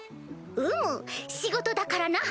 うむ仕事だからな！